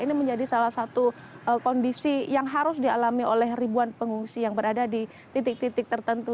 ini menjadi salah satu kondisi yang harus dialami oleh ribuan pengungsi yang berada di titik titik tertentu